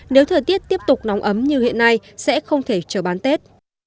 nếu thời tiết tiếp tục nóng ấm như hiện nay sẽ không thể chờ bán tết